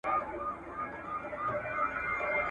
د رستم په شاني ورسه و جګړو ته د زمریانو `